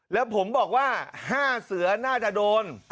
แล้วผมบอกว่า๕เสือน่าจะโดน